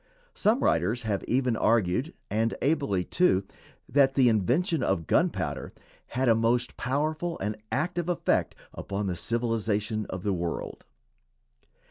Some writers have even argued, and ably too, that the invention of gunpowder had a most powerful and active effect upon the civilization of the world.